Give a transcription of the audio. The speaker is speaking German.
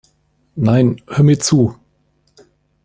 Nein, hör mir zu!